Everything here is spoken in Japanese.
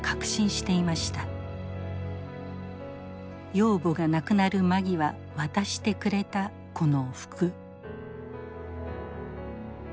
養母が亡くなる間際渡してくれたこの服。